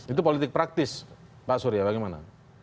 itu politik praktis pak surya bagaimana